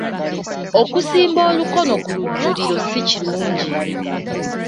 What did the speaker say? Okusimba olukono ku lujjuliro si kirungi.